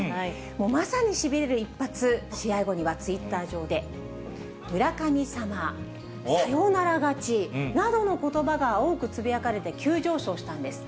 まさにしびれる一発、試合後にはツイッター上で、村神様、サヨナラ勝ちなどのことばが多くつぶやかれて、急上昇したんです。